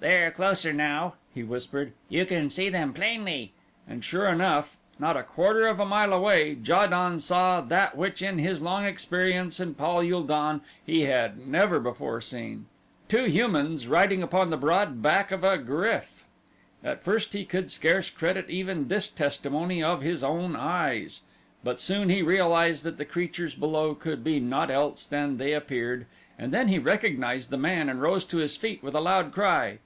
"They are closer now," he whispered, "you can see them plainly." And sure enough, not a quarter of a mile away Ja don saw that which in his long experience in Pal ul don he had never before seen two humans riding upon the broad back of a GRYF. At first he could scarce credit even this testimony of his own eyes, but soon he realized that the creatures below could be naught else than they appeared, and then he recognized the man and rose to his feet with a loud cry.